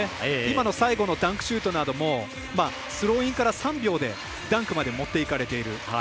今の最後のダンクシュートなどもスローインから３秒でダンクまで持っていかれている。